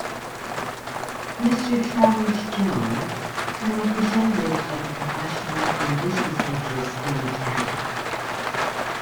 Mr. Travers Jones, and representatives of the professional and business interests in the town.